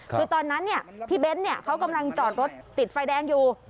คือตอนนั้นเนี่ยที่เบนส์เนี่ยเขากำลังจอดรถติดไฟแดงอยู่